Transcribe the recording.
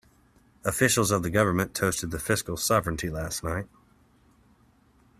Officials of the government toasted the fiscal sovereignty last night.